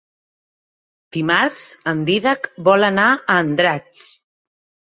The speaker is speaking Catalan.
Dimarts en Dídac vol anar a Andratx.